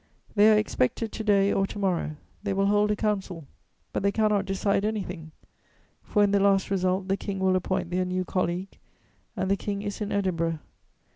They are expected to day or to morrow; they will hold a Council, but they cannot decide anything, for in the last result the King will appoint their new colleague, and the King is in Edinburgh.